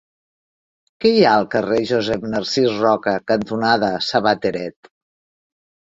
Què hi ha al carrer Josep Narcís Roca cantonada Sabateret?